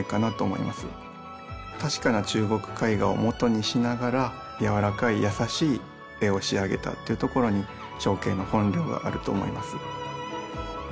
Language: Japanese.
確かな中国絵画を元にしながら柔らかい優しい絵を仕上げたっていうところに祥啓の本領があると思います。